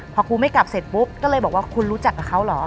พอกูไม่กลับเสร็จปุ๊บก็เลยบอกว่าคุณรู้จักกับเขาเหรอ